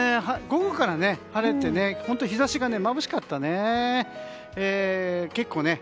午後から晴れて本当に日差しがまぶしかったね。